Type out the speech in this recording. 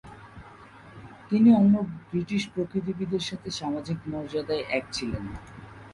তিনি অন্য ব্রিটিশ প্রকৃতিবিদদের সাথে সামাজিক মর্যাদায় এক ছিলেন না।